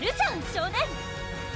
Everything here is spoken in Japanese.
少年！